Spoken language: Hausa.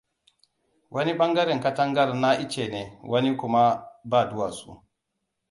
Wani ɓangaren katangar na ice ne wani kuma ba duwatsu.